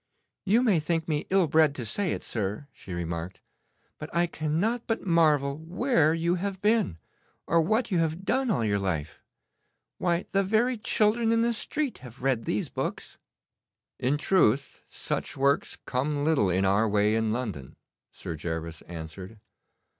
'You may think me ill bred to say it, sir,' she remarked, 'but I cannot but marvel where you have been, or what you have done all your life. Why, the very children in the street have read these books.' 'In truth, such works come little in our way in London,' Sir Gervas answered.